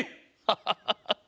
ハハハハ！